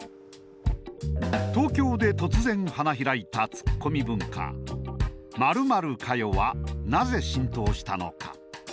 東京で突然花開いたツッコミ文化「○○かよ！」はなぜ浸透したのか？